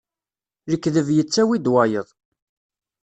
Lekdeb yettawi-d wayeḍ.